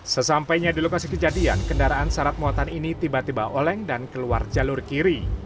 sesampainya di lokasi kejadian kendaraan syarat muatan ini tiba tiba oleng dan keluar jalur kiri